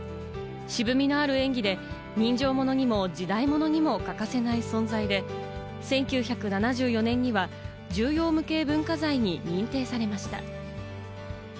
渋みのある演技で、人情物にも時代物にも欠かせない存在で、１９７４年には重要無形文化財に認定されました。